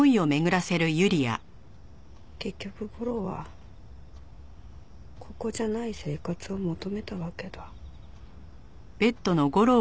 結局吾良はここじゃない生活を求めたわけだ。